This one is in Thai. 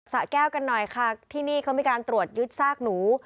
สะแก้วกันหน่อยค่ะที่นี่เขามีการตรวจยึดซากหนู